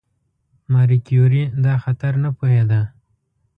ماري کیوري دا خطر نه پوهېده.